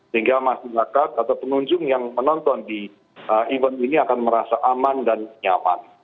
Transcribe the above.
sehingga masyarakat atau pengunjung yang menonton di event ini akan merasa aman dan nyaman